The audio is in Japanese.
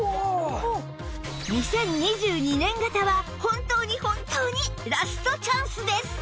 ２０２２年型は本当に本当にラストチャンスです！